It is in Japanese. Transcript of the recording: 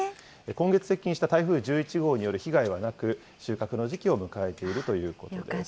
今月接近した台風１１号による被害はなく、収穫の時期を迎えているということです。